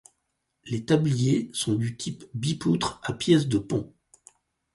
Les tabliers sont du type bipoutre à pièces de pont.